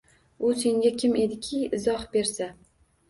U senga kim ediki, izoh bersa